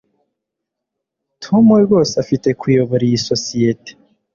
tom rwose afite kuyobora iyi sosiyete